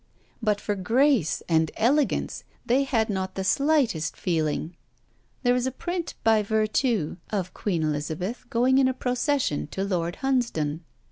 But for grace and elegance they had not the slightest feeling! There is a print by Vertue, of Queen Elizabeth going in a procession to Lord Hunsdon.